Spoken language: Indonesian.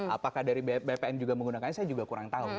apakah dari bpn juga menggunakannya saya juga kurang tahu